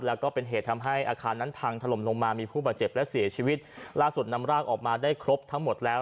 แล้วก็เป็นเหตุทำให้อาคารนั้นพังถล่มลงมามีผู้บาดเจ็บและเสียชีวิตล่าสุดนำร่างออกมาได้ครบทั้งหมดแล้ว